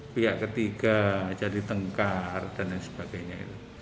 pihak ketiga jadi tengkar dan sebagainya